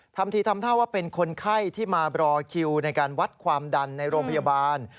ทำทีทำท่าว่าเป็นคนไข้ที่มารอคิวในการวัดความดันในโรงพยาบาล